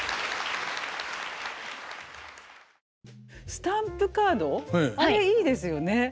スタンプカードあれいいですよね。